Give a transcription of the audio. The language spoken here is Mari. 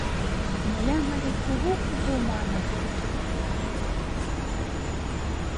Ноля марий кугу-кугу маныт, -